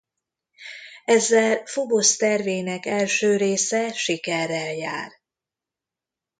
Ezzel Phobos tervének első része sikerrel jár.